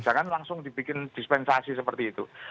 jangan langsung dibikin dispensasi seperti itu